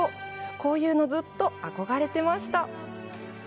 こういうの、ずっと憧れてました！